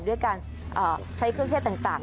ด้วยการใช้เครื่องเทศต่าง